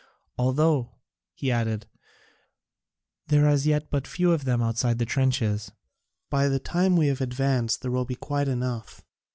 "Although," he added, "there are as yet but few of them outside the trenches, by the time we have advanced there will be quite enough.